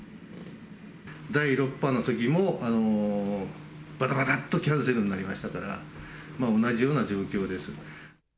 第６波のときも、ばたばたっとキャンセルになりましたから、同じような状況ですね。